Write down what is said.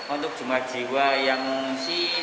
untuk jumlah jiwa yang mengungsi